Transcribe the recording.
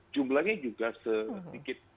jumlahnya juga sedikit